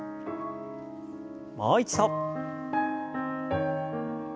もう一度。